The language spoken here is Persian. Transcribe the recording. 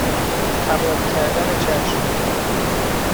تباه کردن چشم